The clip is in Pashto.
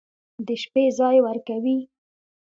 د شپې ځاى وركوي.